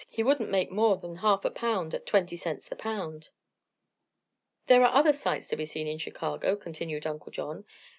He wouldn't make more than half a pound at twenty cents the pound." "There are other sights to be seen in Chicago," continued Uncle John.